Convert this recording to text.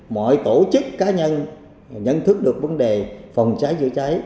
mọi tổ chức cá nhân nhận thức được vấn đề phòng cháy chữa cháy